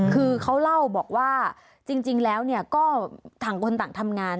คือเขาเล่าบอกว่าจริงแล้วก็ต่างคนต่างทำงาน